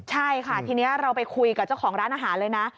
ใช่ค่ะทีนี้เราไปคุยกับเจ้าของร้านอาหารเลยนะ